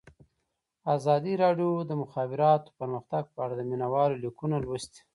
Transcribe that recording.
ازادي راډیو د د مخابراتو پرمختګ په اړه د مینه والو لیکونه لوستي.